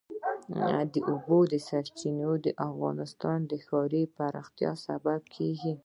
د اوبو سرچینې د افغانستان د ښاري پراختیا سبب کېږي.